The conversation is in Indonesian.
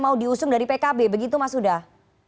mau diusung dari pkb begitu mas huda